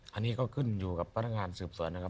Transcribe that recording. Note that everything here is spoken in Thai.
อันนี้ก็ขึ้นอยู่กับพนักงานสืบสวนนะครับ